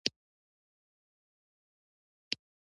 دغه مواد د سږو له لارې دفع کیږي.